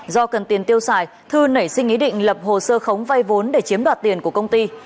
do cần tiền tiêu xài thư nảy sinh ý định lập hồ sơ khống vay vốn để chiếm đoạt tiền của công ty